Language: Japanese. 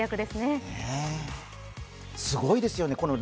すごいですよね